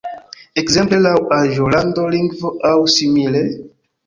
Ekzemple laŭ aĝo, lando, lingvo aŭ simile?